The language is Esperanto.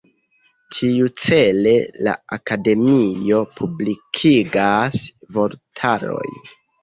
Tiucele la Akademio publikigas vortarojn.